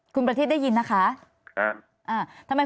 คุณประทีบขอแสดงความเสียใจด้วยนะคะ